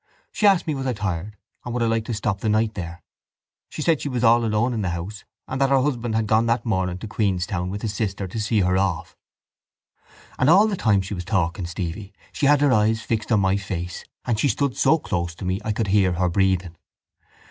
She asked me was I tired and would I like to stop the night there. She said she was all alone in the house and that her husband had gone that morning to Queenstown with his sister to see her off. And all the time she was talking, Stevie, she had her eyes fixed on my face and she stood so close to me I could hear her breathing.